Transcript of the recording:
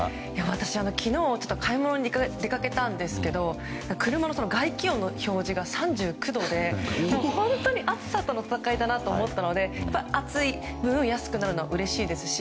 私、昨日買い物に出かけたんですけれど車の外気温の表示が３９度で本当に暑さとの闘いだなと思って暑い分安くなるのはうれしいですし